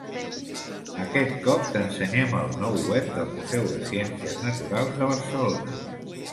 Aquest cop t'ensenyem el nou web del Museu de Ciències Naturals de Barcelona.